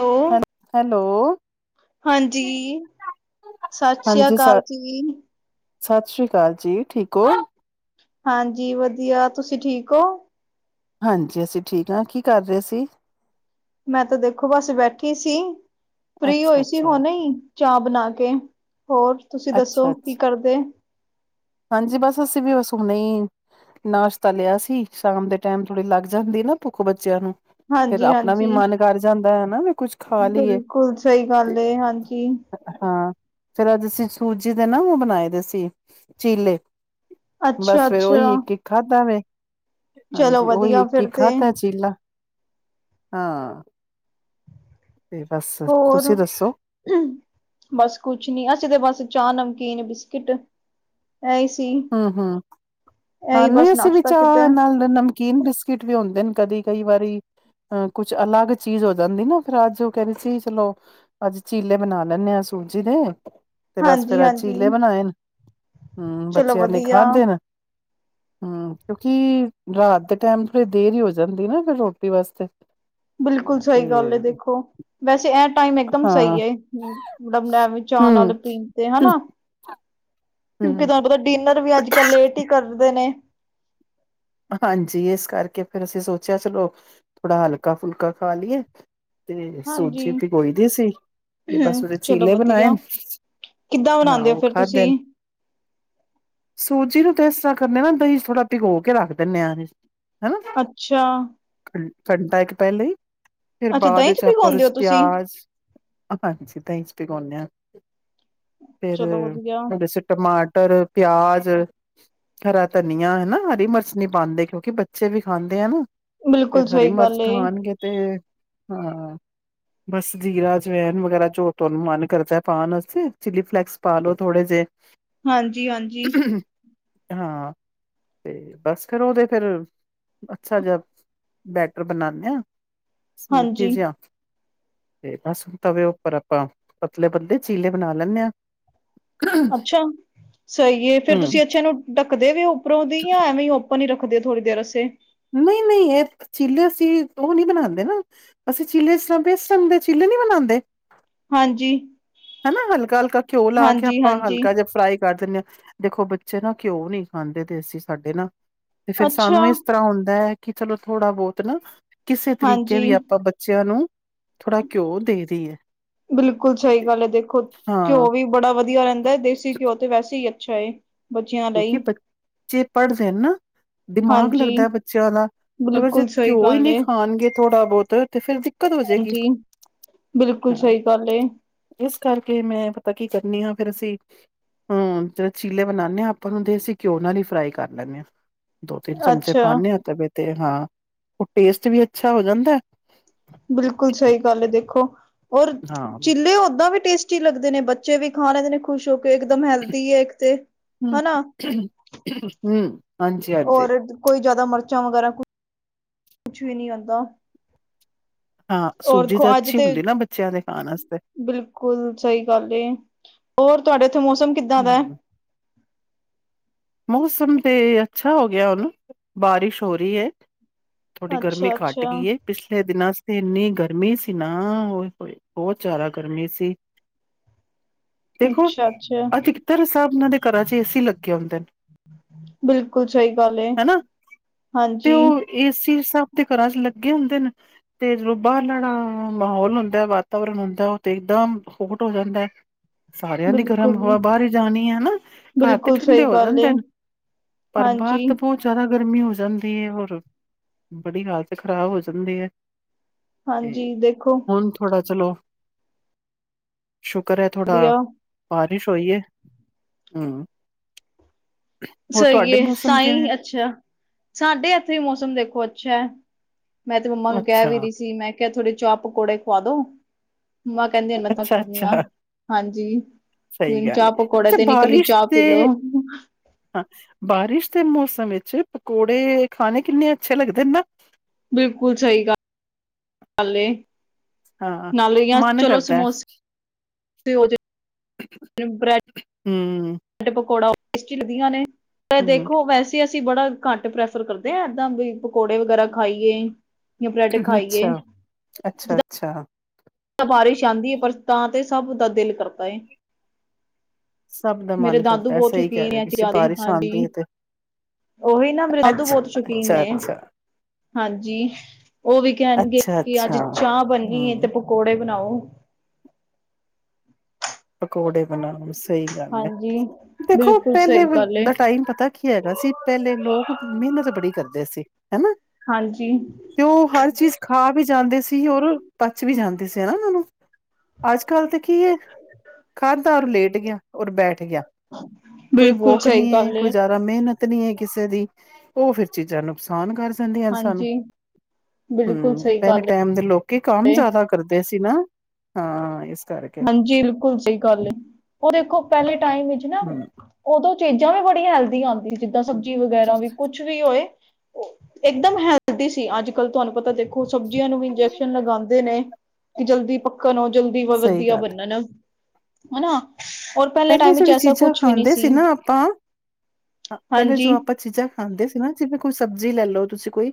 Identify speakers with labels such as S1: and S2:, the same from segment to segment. S1: Hello,
S2: hello
S1: ਹਾਂਜੀ ਸਤਿ ਸ੍ਰੀ
S2: ਹਾਂਜੀ ਸ
S1: ਅਕਾਲ ਜੀ।
S2: ਸਤਿ ਸ਼੍ਰੀ ਅਕਾਲ ਜੀ ਠੀਕ ਓ।
S1: ਹਾਂਜੀ ਵਧੀਆ ਤੁਸੀਂ ਠੀਕ ਹੋ।
S2: ਹਾਂਜੀ ਅਸੀਂ ਠੀਕ ਹਾਂ ਕੀ ਕਰ ਰਏ ਸੀ।
S1: ਮੈਂ ਤਾਂ ਦੇਖੋ ਬਸ ਬੈਠੀ ਸੀ ਫਰੀ
S2: ਅੱਛਾ
S1: ਹੋਈ ਸੀ
S2: ਅੱਛਾ
S1: ਹੁਣੇ ਈ। ਚਾਹ ਬਣਾ ਕੇ ਹੋਰ ਤੁਸੀਂ ਦੱਸੋ ਕੀ
S2: ਅੱਛਾ-ਅੱਛਾ
S1: ਕਰਦੇ?
S2: ਹਾਂਜੀ ਬਸ ਅਸੀਂ ਵੀ ਬਸ ਹੁਣੇ ਈ ਨਾਸ਼ਤਾ ਲਿਆ ਸੀ ਸ਼ਾਮ ਦੇ ਟਾਈਮ ਥੋੜੀ ਲੱਗ ਜਾਂਦੀ ਨਾ ਭੁੱਖ ਬੱਚਿਆਂ ਨੂੰ ਫਿਰ ਆਪਣਾ ਵੀ
S1: ਹਾਂਜੀ-ਹਾਂਜੀ।
S2: ਮਨ ਕਰ ਜਾਂਦਾ ਹੈਨਾ ਵੀ ਕੁਛ
S1: ਬਿਲਕੁਲ ਸਈ ਗੱਲ ਏ ਹਾਂਜੀ।
S2: ਹਾਂ ਫਿਰ ਅੱਜ ਅਸੀਂ ਸੂਜੀ ਦੇ ਨਾ ਓ ਬਣਾਏ ਦੇ ਸੀ ਚੀਲੇ ਬਸ ਫਿਰ ਉਹੀ
S1: ਅੱਛਾ-ਅੱਛਾ।
S2: ਇੱਕ-ਇਕ ਖਾਧਾ ਵੇ।
S1: ਚਲੋ
S2: ਹਾਂਜੀ ਉਹੀ
S1: ਵਧੀਆ ਫਿਰ
S2: ਇੱਕ-ਇੱਕ
S1: ਤੇ,
S2: ਖਾਧਾ ਚੀਲਾ ਹਾਂ ਤੇ ਬਸ
S1: ਹੋਰ
S2: ਤੁਸੀਂ ਦੱਸੋ।
S1: ਬਸ ਕੁਛ ਨੀ ਅਸੀਂ ਤੇ ਬਸ ਚਾਹ ਨਮਕੀਨ ਬਿਸਕਿਟ ਇਹੀ ਸੀ।
S2: ਹੂੰ-ਹੂੰ ਹਾਂ
S1: ਇਹੀ
S2: ਨਈ
S1: ਬਸ
S2: ਅਸੀਂ ਵੀ
S1: ਨਾਸ਼ਤਾ
S2: ਚਾਹ
S1: ਕੀਤਾ,
S2: ਨਾਲ ਨਮ ਕੀਨ ਬਿਸਕਿਟ ਵੀ ਹੁੰਦੇ ਨੇ ਕਦੇ ਕਈ ਵਰੀ ਅ ਕੁਛ ਅਲੱਗ ਚੀਜ਼ ਹੋ ਜਾਂਦੀ ਨਾ ਫਿਰ ਅੱਜ ਓ ਕੈਂਦੇ ਸੀ ਚਲੋ। ਅੱਜ ਚੀਲੇ ਬਣਾ ਲੈਂਣੇ ਆਂ ਸੂਜੀ ਦੇ। ਤੇ ਬਸ ਫਿਰ
S1: ਹਾਂਜੀ-ਹਾਂਜੀ
S2: ਚੀਲੇ ਬਣਾਏ ਨੇ ਹੂੰ
S1: ਚਲੋ
S2: ਬੱਚਿਆਂ ਨੇ
S1: ਵਧੀਆ।
S2: ਖਾਂਦੇ ਨੇ। ਹੂੰ ਕਿਉਂਕਿ ਰਾਤ ਦੇ ਟਾਈਮ ਥੋੜੀ ਦੇਰ ਈ ਹੋ ਜਾਂਦੀ ਨਾ ਫਿਰ ਰੋਟੀ ਵਾਸਤੇ
S1: ਬਿਲਕੁਲ
S2: ਤੇ
S1: ਸਈ ਗੱਲ ਐ ਦੇਖੋ। ਵੈਸੇ ਐ ਟਾਈਮ ਇਕਦਮ
S2: ਹਾਂ
S1: ਸਈ ਐ ਮੜ ਵੇ ਚਾਅ ਨਾਲ
S2: ਹਮ
S1: ਪੀ ਤੇ ਹਨਾ ਕਿਉਂਕਿ
S2: ਹਮ
S1: ਤੁਹਾਨੂੰ ਪਤਾ ਡਿਨਰ ਵੀ ਅੱਜ ਕੱਲ ਲੇਟ ਈ ਕਰਦੇ ਨੇ।
S2: ਹਾਂਜੀ ਇਸ ਕਰਕੇ ਫਿਰ ਅਸੀਂ ਸੋਚਿਆ ਚਲੋ ਥੋੜਾ ਹਲਕਾ ਫੁਲਕਾ ਖਾ ਲਈਏ। ਤੇ
S1: ਹਾਂਜੀ।
S2: ਸੂਜੀ ਭਗੋਈ ਦੀ ਸੀ ਤੇ ਬਸ
S1: ਹੂੰ
S2: ਉਦੇ
S1: ਚਲੋ
S2: ਚੀਲੇ ਬਣਾਏ।
S1: ਵਧੀਆ ਕਿੱਦਾਂ
S2: ਹਾਂ
S1: ਬਣਾਉਂਦੇ ਹੋ
S2: ਓ
S1: ਫਿਰ ਤੁਸੀਂ
S2: ਖਾਧੇ ਨੇ। ਸੂਜੀ ਨੂੰ ਤੇ ਇਸ ਤਰ੍ਹਾਂ ਕਰ ਨਾ ਦਈ ਥੋੜਾ ਭਿਗੋ ਕੇ ਰੱਖਦੇ ਧੰਨਿਆ ਦੀ ਹਨਾ।
S1: ਅੱਛਾ
S2: ਘੰਟਾ ਇੱਕ ਪੈਲੇ ਈ ਫੇਰ
S1: ਅੱਛਾ
S2: ਬਾਅਦ
S1: ਦਹੀਂ ਚ
S2: ਇਚ ਆਪਾਂਰ
S1: ਭਿਗਾਉਂਦੇ ਹੋ
S2: ਸ
S1: ਤੁਸੀਂ
S2: ਪਿਆਜ ਹਾਂਜੀ ਦਈ ਚ ਭੀਗੋਨੇ ਆਂ ਫੇਰ
S1: ਚਲੋ ਵਧੀਆ।
S2: ਟਮਾਟਰ, ਪਿਆਜ, ਹਰਾ ਧਨੀਆ ਹਨਾ ਹਰੀ ਮਰਚ ਨੀ ਪਾਂਦੇ ਕਿਉਂਕਿ ਬੱਚੇ ਵੀ ਖਾਂਦੇ ਆ ਨਾ
S1: ਬਿਲਕੁਲ
S2: ਫੇਰ ਹਰੀ
S1: ਸਹੀ
S2: ਮਰਚ
S1: ਗੱਲ ਏ
S2: ਖਾਣਗੇ ਤੇ ਹਾਂ ਬਸ ਜ਼ੀਰਾ ਜਵੈਨ ਵਗੈਰਾ ਜੋ ਤੁਆਨੂੰ ਮਨ ਕਰਦੈ ਪਾਣ ਆਸਤੇ ਚਿੱਲੀ ਫਲੇਕਸ ਪਾਲੋ ਥੋੜੇ ਜੇ
S1: ਹਾਂਜੀ, ਹਾਂਜੀ
S2: ਹਾਂ, ਤੇ ਬਸ ਫੇਰ ਓਦੇ ਫੇਰ ਅੱਛਾ ਜੇਆ ਬੈਟਰ ਬਨਾਨੇ ਆਂ। ਸਮੂਦੀ
S1: ਹਾਂਜੀ
S2: ਸੀ ਅਪ ਤੇ ਬਸ ਹੁਣ ਤਵੇ ਉੱਪਰ ਆਪਾਂ ਪਤਲੇ, ਪਤਲੇ ਚੀਲੇ ਬਣਾ ਲੈਨੇ ਆਂ।
S1: ਅੱਛਾ ਸਈ ਏ ਫੇਰ
S2: ਹੂੰ,
S1: ਤੁਸੀ ਅੱਛੇ ਨੂੰ ਡੱਕਦੇ ਵੀ ਓ ਉੱਪਰੋਂ ਦੀ ਜਾਂ ਐਵੇਂ ਆਪਾਂ ਨੀ ਰੱਖਦੇ ਥੋੜ੍ਹੀ ਦੇਰ ਆਸੇ
S2: ਨਈ ਨਈ ਏ ਚੀਲੇ ਅਸੀ ਦੋ ਨਈ ਬਨਾਂਦੇ ਨਾ। ਅਸੀ ਚਿਲੇ ਇਸ ਤਰਾ ਵੇਸਨ ਦੇ ਚਿਲੇ ਨੀ ਬਨਾਂਦੇ
S1: ਹਾਂਜੀ
S2: ਹਨਾ ਹਲਕਾ, ਹਲਕਾ ਘਿਓ ਲਾ ਕੇ
S1: ਹਾਂਜੀ,
S2: ਆਪਾਂ
S1: ਹਾਂਜੀ
S2: ਹਲਕਾ ਜਿਆ ਫਰਾਈ ਕਰ ਦਿੰਨੇ ਆ। ਦੇਖੋ ਬੱਚੇ ਨਾ ਘਿਓ ਨੀ ਖਾਂਦੇ ਦੇਸੀ ਸਾਡੇ ਨਾ ਤੇ ਫੇਰ
S1: ਅੱਛਾ।
S2: ਸਾਨੂੰ ਏਸ ਤਰ੍ਹਾਂ ਹੁੰਦਾ ਐ ਕਿ ਚਲੋ ਥੋੜ੍ਹਾ ਬੌਤ ਨਾ ਕਿਸੇ ਤਰੀਕੇ
S1: ਹਾਂਜੀ
S2: ਵੀ ਆਪਾਂ ਬੱਚਿਆਂ ਨੂੰ ਥੋੜਾ ਘਿਓ ਦੇ ਦੀਏ।
S1: ਬਿਲਕੁਲ ਸਈ ਗੱਲ ਐ ਦੇਖੋ
S2: ਹਾਂ
S1: ਘਿਓ ਵੀ ਬੜਾ ਵਧੀ ਆ ਰੇਂਦਾ ਏ ਦੇਸੀ ਘਿਓ ਤੇ ਵੈਸੇ ਈ ਅੱਛਾ ਏ।
S2: ਕਿਉਂਕਿ ਬੱ ਚੇ ਪੜ੍ਹ ਰੇ ਨਾ ਦਿਮਾਗ
S1: ਹਾਂਜੀ
S2: ਲੱਗਦਾ ਏ ਬੱਚਿਆਂ ਦਾ। ਅਗਰ ਜੇ
S1: ਬਿਲਕੁਲ ਸਹੀ
S2: ਘਿਓ ਈ
S1: ਗੱਲ
S2: ਨੀ
S1: ਏ
S2: ਖਾਣਗੇ ਥੋੜ੍ਹਾ ਬੌਤ ਤੇ ਫੇਰ ਦਿੱਕਤ ਹੋ ਜੇਗੀ।
S1: ਹਾਂਜੀ ਬਿਲਕੁਲ ਸਈ ਗੱਲ ਏ।
S2: ਇਸ ਕਰਕੇ ਮੈਂ ਪਤਾ ਕੀ ਕਰਨੀ ਆਂ ਫੇਰ ਅਸੀ ਹੰ ਤੇ ਚੀਲੇ ਬਨਾਨੇ ਆਂ। ਉਨੂੰ ਦੇਸੀ ਘਿਓ ਨਾਲ ਈ ਫਰਾਈ ਕਰ ਲੈਨੇ ਆਂ ਦੋ ਤਿੰਨ ਚਮਚੇ
S1: ਅੱਛਾ
S2: ਪਾਨੇ ਆਂ ਤਵੇ ਤੇ ਹਾਂ ਓ ਟੇਸਟ ਵੀ ਅੱਛਾ ਹੋ ਜਾਂਦਾ ਏ।
S1: ਬਿਲਕੁਲ ਸਈ ਗੱਲ ਏ ਦੇਖੋ ਔਰ
S2: ਹਾਂ ਹਮ
S1: ਚਿੱਲੇ ਓਦਾਂ ਵੀ ਟੇਸਟ ਟੀ ਲੱਗਦੇ ਨੇ ਬੱਚੇ ਵੀ ਖਾ ਲੈਂਦੇ ਨੇ ਖੁਸ਼ ਹੋ ਕੇ ਇੱਕਦਮ ਹੈਲਦੀ ਏ ਇੱਕ ਤੇ
S2: ਹੁੰ
S1: ਹਨਾ
S2: ਹੁੰ
S1: ਔਰ ਕੋਈ ਜਆਦਾ ਮਰਚਾਂ ਵਗੈਰਾ ਕੁ ਕੁਛ ਵੀ ਨੀ ਆਂਦਾ।
S2: ਹਾਂ, ਸੂਜੀ ਤੇ ਅੱਛੀ ਹੁੰਦੀ ਨਾ ਬੱਚਿਆਂ ਦੇ ਖਾਨ ਆਸਤੇ।
S1: ਬਿਲਕੁਲ ਸਈ ਗੱਲ ਏ ਔਰ ਤੁਆਡੇ ਏਥੇ ਮੌਸਮ ਕਿੱਦਾਂ ਦਾ ਐ?
S2: ਹਮ, ਮੌਸਮ ਤੇ ਅੱਛਾ ਹੋ ਗਿਆ ਹੁਨ ਬਾਰਿਸ਼ ਹੋ ਰੀ ਏ। ਥੋੜ੍ਹੀ ਗਰਮੀ
S1: ਅੱਛਾ
S2: ਘੱਟ
S1: ਅੱਛਾ
S2: ਗੀ ਏ। ਪਿਛਲੇ ਦਿਨਾਂ ਚ ਤੇ ਏਨੀ ਗਰਮੀ ਸੀ ਨਾ ਓਏ ਹੋਏ ਬੌਤ ਜ਼ਿਆਦਾ ਗਰਮੀ ਸੀ। ਦੇਖੋ,
S1: ਅੱਛਾ-ਅੱਛਾ,
S2: ਅਧਿਕਤਰ ਸਬਨਾ ਦੇ ਘਰਾਂ ਚ ਏ ਸੀ ਲੱਗੇ ਹੁੰਦੇ ਨ।
S1: ਬਿਲਕੁਲ ਸਈ ਗੱਲ ਏ, ਹਾਂਜੀ।
S2: ਏ ਸੀ ਸਬ ਦੇ ਘਰਾਂ ਚ ਲੱਗੇ ਹੁੰਦੇਨ ਤੇ ਜੋ ਬਾਰਲਨਾ ਮਾਹੌਲ ਹੁੰਦਾ ਏ ਵਾਤਾਵਰਨ ਹੁੰਦਾ ਏ ਓ ਤੇ ਇਕਦਮ ਖੋਟ ਹੋ ਜਾਂਦਾ ਏ। ਸਾਰਿਆਂ ਦੀ ਗਰਮ
S1: ਬਿਲਕੁਲ।
S2: ਹਵਾ ਬਾਰ ਈ ਜਾਣੀ ਏ ਹਨਾ ਘਰ ਤੇ
S1: ਬਿਲਕੁਲ
S2: ਠੰਡੇ
S1: ਸਹੀ
S2: ਹੋ
S1: ਗੱਲ ਏ,
S2: ਰੈਂਦੇਨ ਪਰ ਬਾਰ ਤੇ
S1: ਹਾਂਜੀ-ਹਾਂਜੀ
S2: ਬੌਤ ਜਆਦਾ ਗਰਮੀ ਹੋ ਜਾਂਦੀ ਐ ਹੋਰ ਬੜੀ ਹਾਲਤ ਖ਼ਰਾਬ ਹੋ ਜਾਂਦੀ ਐ। ਤੇ
S1: ਦੇਖੋ
S2: ਹੁਨ ਥੋੜਾ ਚਲੋ। ਸ਼ੁਕਰ ਐ, ਥੋੜਾ
S1: ਵਧੀਆ।
S2: ਬਾਰਿਸ਼ ਹੋਈ ਏ, ਹੁੰ।
S1: ਸਈ ਏ,
S2: ਮੌਸਮ ਕਿਵੇਂ?
S1: ਤਾਈਂ ਅੱਛਾ। ਸਾਡੇ ਏਥੇ ਮੌਸਮ ਦੇਖੋ ਅੱਛਾ, ਮੈਂ ਤੇ ਮੰਮਾ ਨੂੰ ਕੈ
S2: ਅੱਛਾ,
S1: ਵੀ ਰੀ ਸੀ, ਮੈਂ ਕੇਯਾ ਥੋੜੇ ਚਾਹ-ਪਕੌੜੇ ਖਵਾ ਦੋ, ਮਾ ਕੈਂਦੇ ਹੁਨ ਮੈਂ ਥੱਕ ਗਈਆਂ,
S2: ਅੱਛਾ-ਅੱਛਾ
S1: ਹਾਂਜੀ।
S2: ਸਹੀ
S1: ਹੁਨ
S2: ਗੱਲ ਏ।
S1: ਚਾਹ-ਪਕੌੜ
S2: ਅੱਛਾ
S1: ਤੇ ਨੀ ਕੱਲੀ
S2: ਬਾਰਿਸ਼
S1: ਚਾਹ ਪੀ ਲੋ।
S2: ਤੇ ਬਾਰਿਸ਼ ਦੇ ਮੌਸਮ ਏਚ ਪਕੌੜੇ ਖਾਣੇ ਕਿੰਨੇ ਅੱਛੇ ਲੱਗਦੇ ਨਾ।
S1: ਬਿਲਕੁਲ, ਸਈ ਗੱਲ ਏ।
S2: ਹਾਂ,
S1: ਨਾਲ ਯਾ
S2: ਮਨ
S1: ਚਲੋ
S2: ਕਰਦਾ ਹੈ।
S1: ਸਮੋਸੇ [unintelligible] ਬਰੈਡ
S2: ਹੁੰ।
S1: ਬਰੈਡ ਪਕੌੜਾ ਟੇਸਟੀ ਲੱਗੀਆਂ ਨੇ
S2: ਹੂੰ
S1: ਦੇਖੋ, ਵੈਸੇ ਅਸੀ ਬੜਾ ਘੱਟ ਪ੍ਰੈਫਰ ਕਰਦੇ ਆਂ, ਏਦਾਂ ਵੀ ਪਕੌੜੇ ਵਗੈਰਾ ਖਾਈਏ। ਜਾਂ ਬ੍ਰੈਡ ਖਾਈਏ
S2: ਅੱਛਾ,
S1: ਜਿੱਦਾਂ
S2: ਅੱਛਾ-ਅੱਛਾ।
S1: ਬਾਰਿਸ਼ ਆਂਦੀ ਏ ਪਰ ਤਾਂ ਤੇ ਸਭ ਦਾ ਦਿਲ ਕਰਦਾ ਏ।
S2: ਸਭ ਦਾ
S1: ਮੇਰੇ
S2: ਮਨ
S1: ਦਾਦੂ
S2: ਕਰਦਾ ਹੈ,
S1: ਬੋਤ
S2: ਸਹੀ ਕਹਿ
S1: ਸ਼ੁਕੀਨ ਏ
S2: ਰਹੇ ਹੋ
S1: ਐ
S2: ਤੁਸੀਂ
S1: ਚੀਜ਼ਾਂ ਦੇ,
S2: ਬਾਰਿਸ਼ ਆਂਦੀ
S1: ਹਾਂਜੀ।
S2: ਏ ਤੇ
S1: ਓਹੀ ਨਾ ਮੇਰੇ ਦਾਦੂ
S2: ਅੱਛਾ,
S1: ਬੋਤ ਸ਼ੌਕੀਨ ਨੇ।
S2: ਅੱਛਾ-ਅੱਛਾ,
S1: ਹਾਂਜੀ, ਓ ਵੀ ਕੈਣਗੇ ਕਿ ਅੱਜ
S2: ਅੱਛਾ-ਅੱਛਾ।
S1: ਚਾਹ ਬਨੀਂਏ ਤੇ
S2: ਹੂੰ,
S1: ਪਕੌੜੇ ਬਨਾਓ।
S2: ਪਕੌੜੇ ਬਨਾ ਲੋ, ਸਹੀ ਗੱਲ ਐ
S1: ਹਾਂਜੀ
S2: ਦੇਖੋ,
S1: ਬਿਲਕੁਲ
S2: ਪੈਲੇ
S1: ਸਹੀ ਗੱਲ ਏ।
S2: ਦਾ ਟਾਈਮ ਪ ਤਾ ਕੀ ਹੈਗਾ ਸੀ ਪੈਲੇ ਲੋਕ ਮੇਨਤ ਬੜੀ ਕਰਦੇ ਸੀ, ਹਨਾ।
S1: ਹਾਂਜੀ।
S2: ਤੇ ਓ ਹਰ ਚੀਜ਼ ਖਾ ਵੀ ਜਾਂਦੇ ਸੀ ਔਰ ਪਚ ਵੀ ਜਾਂਦੇ ਸੀ ਹਨਾ, ਓਨਾਂ ਨੂੰ। ਅੱਜ ਕੱਲ ਤੇ ਕੀ ਐ
S1: [inaudible]
S2: ਖਾਦਾ ਔਰ ਲੇਟ ਗਯਾ ਔਰ ਬੈਠ ਗਯਾ, ਕੋਈ
S1: ਬਿਲਕੁਲ
S2: ਵੋਕ
S1: ਸਹੀ
S2: ਨੀਂ ਐ,
S1: ਗੱਲ ਏ
S2: ਕੋਈ ਜਾਦਾ ਮੇਨਤ ਨੀ ਐ ਕਿਸੇ ਦੀ, ਓਹ ਫੇਰ ਚੀਜਾਂ ਨੁਕਸਾਨ ਕਰ ਜਾਂਦੀਆਂਨ ਸਾਨੂੰ।
S1: ਹਾਂਜੀ ਬਿਲਕੁਲ
S2: ਹੁੰ,
S1: ਸਹੀ
S2: ਪੈਲੇ
S1: ਗੱਲ
S2: ਟੈਮ ਦੇ ਲੋਕੀ ਕੰਮ
S1: ਏ।
S2: ਜਾਦਾ ਕਰਦੇ ਸੀਨਾ ਹਾਂ, ਏਸ ਕਾ
S1: ਬਿਲਕੁਲ ਸਹੀ ਗੱਲ ਏ, ਓ ਦੇਖੋ ਪੈਲੇ ਟਾਈਮ ਚ ਨਾ
S2: ਹਮ
S1: ਓਦੋਂ ਚੀਜਾਂ ਵੀ ਬੜੀਆਂ ਹੈਲਦੀ ਆਂਦੀ ਸੀ, ਜਿੱਦਾਂ ਸਬਜ਼ੀ ਵਗੈਰਾ ਵੀ ਕੋ ਛ ਵੀ ਹੋਏ ਏਕਦਮ ਹੈਲਦੀ ਸੀ, ਅੱਜ-ਕੱਲ ਤੁਆਂਨੂੰ ਪਤਾ ਦੇ ਓ ਸਬਜੀ ਆਂ ਨੂੰ ਵੀ ਇੰਜੈਕਸ਼ਨ ਲਗਾਂਦੇ ਨੇ ਕਿ ਜਲਦੀ ਪੱਕਣ ਔਰ ਜਲਦੀ-
S2: ਸਹੀ ਗੱਲ
S1: [unintelligible] ਹੈਨਾ
S2: ਪੈਲੇ ਜੇੜੀ ਚੀਜਾਂ ਖਾਂਦੇ
S1: ਸੀ
S2: ਸੀਨਾ, ਆਪਾਂ ਪੈਲੇ ਜੋ
S1: ਹਾਂਜੀ।
S2: ਆਪਾਂ ਚੀਜਾਂ ਖਾਂਦੇ ਸੀ ਨਾ ਜਿਸ ਤਰਾਂ ਕੋਈ ਸਬਜ਼ੀ ਲੈ ਲਓ ਤੁਸੀਂ ਕੋਈ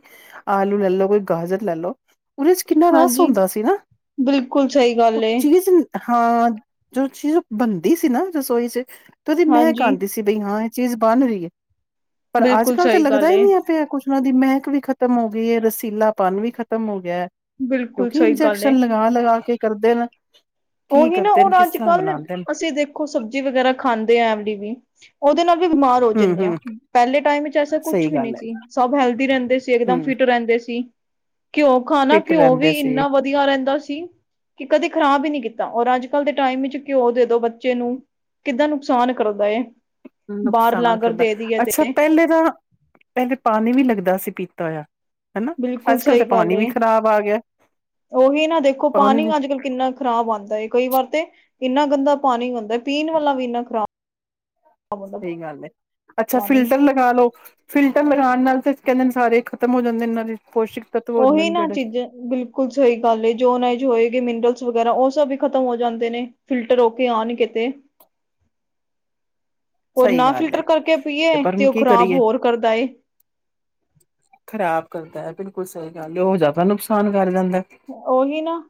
S2: ਆਲੂ ਲੈ ਲਓ ਕੋਈ ਗਾਜਰ ਲੈ ਲਓ, ਓਦੇ ਚ ਕਿੰਨਾ ਰਸ
S1: ਹਾਂਜੀ,
S2: ਹੁੰਦਾ ਸੀ ਨਾ,
S1: ਬਿਲਕੁਲ ਸਹੀ
S2: ਓ
S1: ਗੱਲ ਏ
S2: ਚੀਜ਼ ਹਾਂ, ਜੋ ਚੀਜ਼ ਬਨਦੀ ਸੀ ਨਾ ਰਸੋਈ ਚ, ਤੇ ਓਦੀ ਮੈਹਕ
S1: ਹਾਂਜੀ,
S2: ਆਂਦੀ ਸੀ। ਕੀ ਬਈ ਹਾਂ, ਏ ਚੀਜ਼ ਬਨ ਰਹੀ ਐ ਪਰ
S1: ਬਿਲਕੁਲ
S2: ਅੱਜ-ਕੱਲ ਤੇ
S1: ਸਹੀ
S2: ਲੱਗਦਾ
S1: ਗੱਲ
S2: ਈ
S1: ਏ।
S2: ਨਈਂ ਐ। ਪਿਆ ਕੁਛ ਉਨ੍ਹਾਂ ਦੀ ਮੈਹਕ ਵੀ ਖਤਮ ਹੋ ਗਈਏ, ਰਸੀਲਾਪਨ ਵੀ ਖ਼ਤਮ ਹੋ ਗਯਾ।
S1: ਬਿਲਕੁਲ
S2: ਕਿਉਂਕਿ
S1: ਸਹੀ ਗੱਲ ਏ।
S2: ਇੰਜੈਕਸ਼ਨ ਲਗਾ-ਲਗਾ ਕੇ ਕਰਦੇਨ।
S1: ਓਹੀ ਨਾ ਓਨ ਅੱਜ-ਕੱਲ ਅਸੀਂ ਦੇ ਖੋ ਸਬਜ਼ੀ ਵਗੈਰਾ ਖਾਂਦੇ ਐ, ਐ ਵਾਲੀ ਵੀ, ਓਦੇ ਨਾਲ ਵੀ ਬਿਮਾਰ ਹੋ
S2: ਹਮ
S1: ਜਾਨੇ ਆਂ,
S2: ਹਮ
S1: ਪੈਲੇ ਟਾਈਮ ਈਚ ਐਸਾ
S2: ਸਹੀ
S1: ਕੁਛ ਵੀ
S2: ਗੱਲ
S1: ਨੀ
S2: ਹੈ
S1: ਸੀ ਸਭ ਹੈਲਦੀ ਰੈਂਦੇ ਸੀ। ਏਕਦਮ
S2: ਹਮ
S1: ਫਿਟ ਰੈਂਦੇ ਸੀ, ਘਿਓ ਖਾਣਾ
S2: ਪਿੱਟ
S1: ਘਿਓ
S2: ਰਹਿੰਦੇ
S1: ਵੀ
S2: ਸੀ
S1: ਇੰਨਾ ਵਦੀ ਦੀਆ ਰੈਂਦਾ ਸੀ, ਕਿ ਕਦੇ ਖਰਾਬ ਈ ਨੀਂ ਕੀ ਔਰ ਅੱਜ-ਕੱਲ ਦੇ ਟਾਈਮ ਚ ਘਿਓ ਦੇਦੋ ਬੱਚੇ ਨੂੰ, ਕਿੱਦਾਂ ਨੁਕਸਾਨ ਕਰਦਾ ਏ। ਬਾਹਰ
S2: ਨੁਕਸਾਨ
S1: ਲਾਗਰ
S2: ਕਰਦਾ
S1: ਦੇ ਦੀ ਹੈ
S2: ਅੱਛਾ
S1: ਤੇ
S2: ਪਹਿਲੇ ਤਾਂ ਪਹਿਲੇ ਪਾਨੀ ਵੀ ਲੱਗਦਾ ਸੀ ਪੀਤਾ ਹੋਇਆ ਹਨਾ
S1: ਬਿਲਕੁਲ
S2: ਅੱਜ ਕੱਲ੍ਹ
S1: ਸਹੀ
S2: ਤਾਂ
S1: ਗੱਲ
S2: ਪਾਣੀ ਵੀ
S1: ਏ
S2: ਖ਼ਰਾਬ ਆ ਗਿਆ
S1: ਉਹੀ ਨਾ ਦੇਖੋ
S2: ਪਾਣੀ
S1: ਪਾਨੀ ਅੱਜ- ਕੱਲ ਕਿੰਨਾ ਖ਼ਰਾਬ ਆਂਦਾ ਕਈ ਵਾਰ ਤੇ ਇੰਨਾ ਗੰਦਾ ਪਾਣੀ ਹੁੰਦਾ ਪੀਣ ਵਾਲਾ ਵੀ ਇੰਨਾ ਖਰਾਬ
S2: ਸਹੀ ਗੱਲ ਹੈ ਅੱਛਾ
S1: ਪਾਣੀ
S2: ਫਿਲਟਰ ਲਗ ਲਾ ਲਓ ਫਿਲਟਰ ਲਗਾਉਣ ਨਾਲ ਤੇ ਕਹਿੰਦੇ ਨੇ ਸਾਰੇ ਖ਼ਤਮ ਹੋ ਜਾਂਦੇ ਇਹਨਾਂ ਦੇ ਪੌਸ਼ਕ।
S1: ਉਹੀ ਨਾ ਚੀਜ। ਬਿਲਕੁਲ ਸਹੀ ਗੱਲ ਏ ਜੋਨਾਜ ਹੋਏਗੀ ਮਿਨਰਲਸ ਵਗੈਰਾ ਉਹ ਸਭ ਵੀ ਖ਼ਤਮ ਹੋ ਜਾਂਦੇ ਨੇ। ਫਿਲਟਰ ਹੋ ਕੇ ਆਉਣਗੇ ਤੇ।
S2: [inaudible]
S1: ਔਰ
S2: ਸਹੀ
S1: ਨਾ
S2: ਗੱਲ ਐ
S1: ਫਿਲਟਰ ਕਰਕੇ
S2: ਤੇ
S1: ਪੀਏ
S2: ਪਰ ਹੁਣ
S1: ਉਹ
S2: ਕੀ
S1: ਖ਼ਰਾਬ
S2: ਕਰੀਏ।
S1: ਹੋਰ ਕਰਦਾ ਏ
S2: ਖ਼ਰਾਬ ਕਰਦਾ ਹੈ। ਬਿਲਕੁਲ ਸਹੀ ਗੱਲ ਉਹ ਜ਼ਿਆਦਾ ਨੁਕਸਾਨ ਕਰ ਜਾਂਦਾ।
S1: ਉਹੀ ਨਾ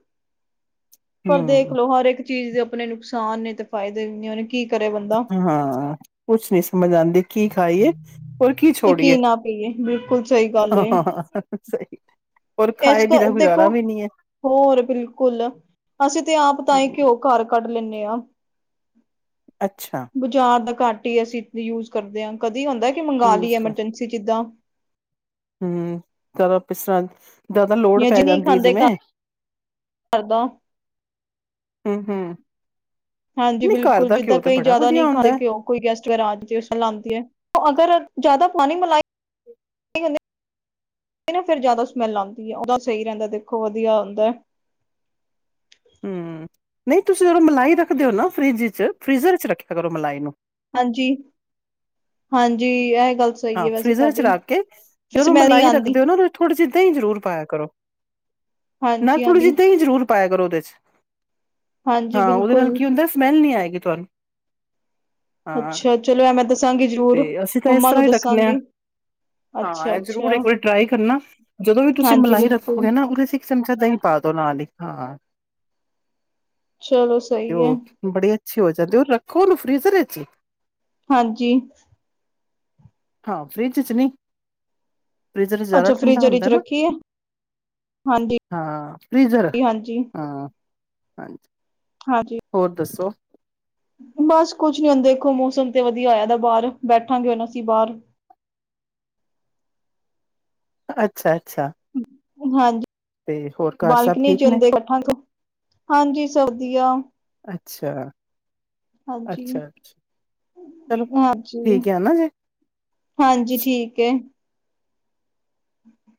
S1: ਪਰ
S2: ਹਮ
S1: ਦੇਖਲੋ ਹਰ ਇੱਕ ਚੀਜ਼ ਦੇ ਉਪ ਆਪਣੇ ਨੁਕਸਾਨ ਨੇ ਤੇ ਫਾਇਦੇ ਉਹ ਕੀ। ਕਰੇ ਬੰਦਾ
S2: ਹਾਂ! ਕੁਛ ਨੀ ਸਮਝ ਆਂਦੀ। ਕੀ ਖਾਈਏ ਔਰ ਕੀ
S1: ਤੇ
S2: ਛੋੜੀਏ
S1: ਨਾ ਪੀਏ ਬਿਲਕੁਲ ਸਹੀ ਗੱਲ ਏ
S2: ਸਹੀ! ਔਰ
S1: ਇਸ
S2: ਖਾਏ
S1: ਕਰ
S2: ਬਿਨਾ ਗੁਜ਼ਾਰਾ
S1: ਦੇਖੋ
S2: ਵੀ ਨੀ ਹੈ।
S1: ਹੋਰ ਬਿਲਕੁਲ ਅਸੀਂ ਤੇ ਆਪ ਤਾਂਹੀ ਘਿਓ ਘਰ ਕੱਢ ਲੈਂਦੇ ਹਾਂ।
S2: ਅੱਛਾ!
S1: ਬਜ਼ਾਰ ਦਾ ਘੱਟ ਹੀ ਅਸੀਂ ਯੂਜ ਕਰਦੇ ਹਾਂ ਕਦੀ ਹੁੰਦਾ ਕਿ ਮੰਗ
S2: ਯੂਜ
S1: ਲਈਏ ਐਮਰਜੈਂਸੀ ਜਿੱਦਾਂ।
S2: ਹੂੰ! ਕਾਹਦਾ ਪਿਸਰਾਂ। ਜਾਦਾ ਲੋੜ
S1: ਜਾਂ ਜਿ
S2: ਪੈ
S1: ਨਹੀਂ
S2: ਜਾਂਦੀ ਹੈ
S1: ਖਾਂਦੇ
S2: ਜਿਵੇਂ।
S1: ਘਰ ਦਾ
S2: ਹੂੰ! ਹੂੰ!
S1: ਹਾਂਜੀ! ਬਿਲਕੁਲ! ਜਿੱਦਾਂ ਕਈ ਜ਼ਿਆਦਾ ਨਹੀਂ ਖਾਂਦੇ
S2: ਹੈ।
S1: ਘਿਓ। ਕੋਈ ਗੈਸਟ ਵਗੈਰਾ ਆਜੇ ਜੋ ਚਲ ਆਉਂਦੀ ਹੈ ਅਗਰ ਜਿਆਦਾ ਪਾਣੀ ਮਿਲਾਏ। ਸਹੀ ਕਹਿੰਦੇ ਫੇਰ ਜ਼ਿਆਦਾ ਸਮੈਲ ਆਂਦੀ ਹੈ ਉਹਦਾ ਸਹੀ ਰਹਿੰਦਾ ਦੇਖੋ ਵਧੀਆ ਹੁੰਦਾ।
S2: ਹੂੰ! ਨਹੀਂ ਤੁਸੀਂ ਮਲਾਈ ਰੱਖਦੇ ਹੋ ਨਾ ਫਰਿੱਜ 'ਚ ਫਰੀਜ਼ਰ 'ਚ ਰੱਖਿਆ ਕਰੋ ਮਲਾਈ ਨੂੰ।
S1: ਹਾਂਜੀ! ਹਾਂਜੀ! ਐਹ ਗੱਲ। ਸਹੀ
S2: ਹਾਂ!
S1: ਏ ਵੈਸੇ
S2: ਫਰੀਜ਼ਰ ਵਿੱਚ
S1: ਤੁਹਾਡੀ
S2: ਰੱਖ ਕੇ
S1: ਫਿਰ
S2: ਜਦੋਂ
S1: ਸਮੈਲ ਨੀ
S2: ਮਲਾਈ ਰੱਖਦੇ
S1: ਆਂਦੀ।
S2: ਹੋ ਨਾ ਉਹਦੇ 'ਚ ਥੋੜ੍ਹੀ ਜਿਹੀ ਦਹੀਂ ਜ਼ਰੂਰ ਪਾਇਆ ਕਰੋ। ਮੈਂ
S1: ਹਾਂਜੀ,
S2: ਥੋੜ੍ਹੀ ਜਿਹੀ
S1: ਹਾਂਜੀ,
S2: ਦਹੀਂ ਜ਼ਰੂਰ। ਪਾਇਆ ਕਰੋ ਉਹਦੇ 'ਚ
S1: ਹਾਂਜੀ
S2: ਹਾਂ ਉਹਦੇ ਨਾਲ
S1: ਬਿਲਕੁਲ
S2: ਕੀ ਹੁੰਦਾ ਸਮੈਲ ਨੀ ਆਏਗੀ ਤੁਹਾਨੂੰ। ਹਾਂ
S1: ਅੱਛਾ! ਚਲੋ ਐਹ ਮੈਂ ਦਸਾਂਗੀ ਜ਼ਰੂਰ
S2: ਤੇ ਅਸੀਂ ਤਾਂ ਇਸ
S1: ਮੰਮਾ ਨੂੰ
S2: ਤਰ੍ਹਾਂ ਹੀ ਰੱਖਣੇ ਹਾਂ
S1: ਦੱਸਾਂਗੀ।
S2: ਹਾਂ!
S1: ਅੱਛਾ,
S2: ਐਹ ਜ਼ਰੂਰ
S1: ਅੱਛਾ
S2: ਇੱਕ ਵਾਰੀ ਟਰਾਈ ਕਰਨਾ ਜਦੋਂ ਵੀ ਤੁਸੀਂ
S1: ਹਾਂਜੀ
S2: ਮਲਾਈ
S1: ਬਿਲਕੁਲ
S2: ਰੱਖੋਗੇ ਨਾ ਉਹਦੇ 'ਚ। ਇੱਕ ਚਮਚਾ ਦਹੀਂ ਪਾ ਦੋ ਨਾਲ ਹੀ ਹਾਂ।
S1: ਚਲੋ
S2: ਤੇ
S1: ਸਹੀ ਐ
S2: ਉਹ ਬੜੀ ਅੱਛੀ ਹੋ ਜਾਂਦੀ ਔਰ ਰੱਖੋ ਉਹਨੂੰ ਫਰੀਜ਼ਰ ਵਿੱਚ।
S1: ਹਾਂਜੀ!
S2: ਹਾਂ! ਫਰਿੱਜ 'ਚ ਨੀ ਫਰੀਜ਼ਰ ਜ਼ਿਆਦਾ
S1: ਅੱਛਾ
S2: ਠੰਡਾ
S1: ਫ੍ਰੀਜ਼ਰ
S2: ਹੁੰਦਾ
S1: ਵਿੱਚ
S2: ਨਾ।
S1: ਰੱਖੀਏ ਹਾਂਜੀ,
S2: ਹਾਂ! ਫਰੀਜ਼ਰ
S1: ਹਾਂਜੀ,
S2: ਹਾਂ! ਹਾਂਜੀ!
S1: ਹਾਂਜੀ!
S2: ਔਰ ਦੱਸੋ?
S1: ਬਸ ਕੁੱਛ ਨੀ ਹੁਣ ਦੇਖੋ ਮੌਸਮ ਤੇ ਵਧੀਆ ਹੋਏ ਦਾ ਬਾਹਰ ਬੈਠਾਂਗੇ ਹੁਣ ਅਸੀਂ ਬਾਹਰ।
S2: ਅੱਛਾ! ਅੱਛਾ! ਅੱਛਾ
S1: ਹਾਂਜੀ!
S2: ਘਰ ਸਭ
S1: ਬਾਲਕਨੀ 'ਚ
S2: ਠੀਕ ਨੇ
S1: ਹੁੰਦੇ ਇਕੱਠਾਂ ਤੋਂ ਹਾਂਜੀ! ਸਭ ਵਧੀਆ।
S2: ਅੱਛਾ!
S1: ਹਾਂਜੀ।
S2: ਅੱਛਾ! ਅੱਛਾ! ਚਲੋ
S1: ਹਾਂਜੀ,
S2: ਠੀਕ ਹੈ ਨਾ ਜੀ।
S1: ਹਾਂਜੀ ਠੀਕ ਹੈ ਹੂੰ